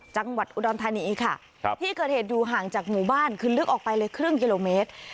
จังหวัดอุดรธานีค่ะที่เกิดเหตุอยู่ห่างจากหมู่บ้านคือลึกออกไปเลยครึ่งกิโลเมตร